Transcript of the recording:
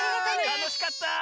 たのしかった。